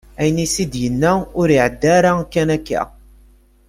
Ayen i as-d-yenna ur iɛedda ara kan akka.